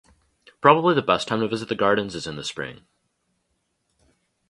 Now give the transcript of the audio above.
Probably the best time to visit the gardens is in the spring.